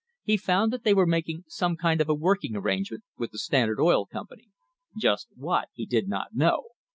He found that they were making ime kind of a working arrangement with the Standard Oil ompany, just what he did not know.